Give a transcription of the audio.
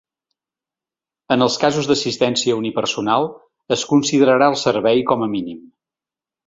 En els casos d’assistència unipersonal, es considerarà el servei com a mínim.